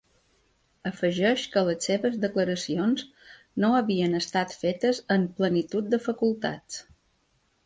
Afegeix que les seves declaracions no havien estat fetes ‘en plenitud de facultats’.